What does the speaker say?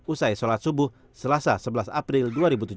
usai sholat subuh selasa sebelas april dua ribu tujuh belas